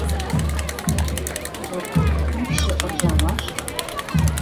Дӓ тӹ кӱкшӹ ыржа вашт —